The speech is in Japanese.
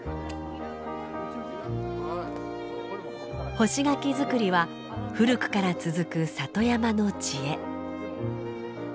干し柿作りは古くから続く里山の知恵。